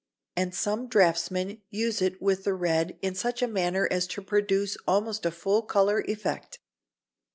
And some draughtsmen use it with the red in such a manner as to produce almost a full colour effect.